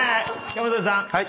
山添さん